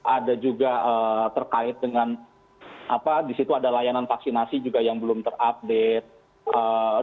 ada juga terkait dengan disitu ada layanan vaksinasi juga yang belum terupdate